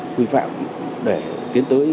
quy phạm để tiến tới